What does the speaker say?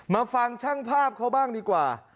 มาฟังช่างภาพเขาบ้างดีกว่า